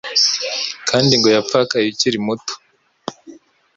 kandi ngo yapfakaye ukiri muto